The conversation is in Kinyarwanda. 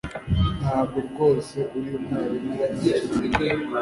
Ntabwo rwose uri umwarimu nibyo